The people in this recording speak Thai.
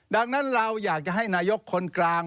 ดังนั้นเราอยากจะให้นายกคนกลาง